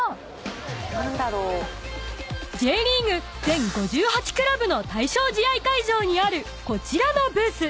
全５８クラブの対象試合会場にあるこちらのブース］